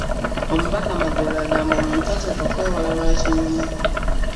Omubaka Magoola agamba omuntu tateekwa kwewola lwa kinyumu